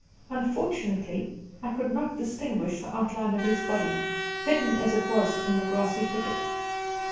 Unfortunately I could not distinguish the outline of his body, hidden as it was in the grassy thicket.